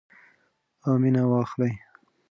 او مینه واخلئ.